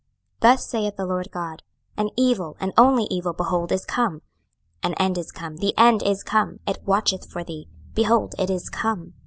26:007:005 Thus saith the Lord GOD; An evil, an only evil, behold, is come. 26:007:006 An end is come, the end is come: it watcheth for thee; behold, it is come.